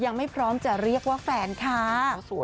ยังไม่พร้อมจะเรียกว่าแฟนค่ะ